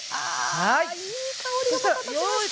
あいい香りがまた立ちました。